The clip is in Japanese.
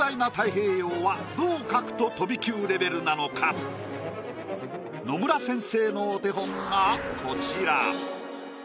この広大な野村先生のお手本がこちら。